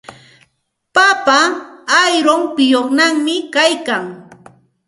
Papa ayrumpiyuqñami kaykan.